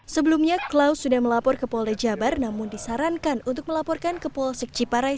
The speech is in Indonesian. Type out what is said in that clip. sebelumnya klau sudah melapor ke poldejabar namun disarankan untuk melaporkan ke polsek ciparai